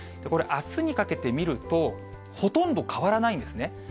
これ、あすにかけて見ると、ほとんど変わらないんですね。